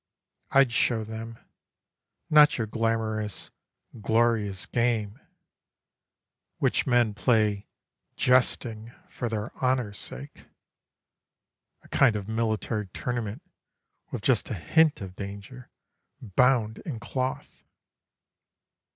I'd shew them, not your glamourous "glorious game," Which men play "jesting" "for their honour's sake" (A kind of Military Tournament, With just a hint of danger bound in cloth!)